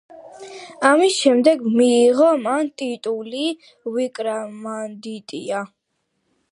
ამის შემდეგ მიიღო მან ტიტული ვიკრამადიტია.